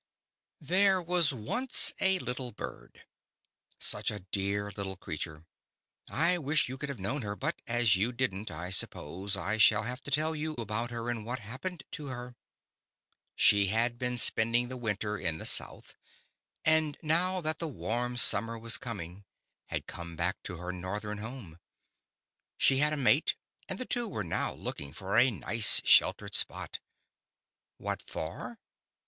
THERE was once a little Bird. Such a dear little creature. I wish you could have known her, but as you did n*t I suppose I shall have to tell you about her and what hap pened to her. She had been spending the \\ inter in the South and now that the ^^*arm summer was coming, had come back to her Northern home. She had a mate, and the two were now looking for a nice, sheltered spot. AMiat for